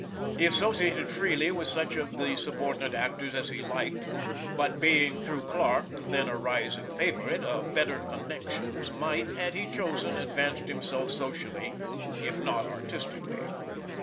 He associated freely with such of the subordinate actors as he liked; but being, through Clarke, then a rising favourite, of better connections, might, had he chosen, advanced himself socially, if not artistically.